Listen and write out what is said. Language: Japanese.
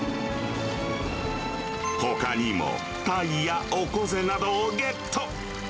ほかにもタイやオコゼなどをゲット。